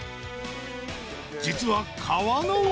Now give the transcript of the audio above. ［実は川の上］